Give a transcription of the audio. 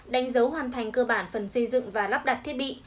đánh dấu hoàn thành cơ bản phần xây dựng và lắp đặt thiết bị